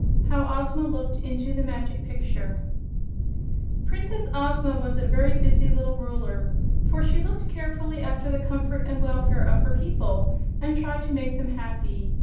18. How Ozma Looked into the Magic Picture Princess Ozma was a very busy little ruler, for she looked carefully after the comfort and welfare of her people and tried to make them happy.